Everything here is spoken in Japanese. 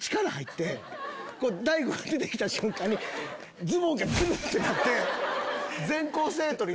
大悟が出てきた瞬間にズボンがズル！ってなって。